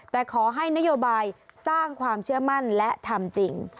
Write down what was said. แต่ขอให้นโยบายสร้างความเชื่อมั่นและทำจริง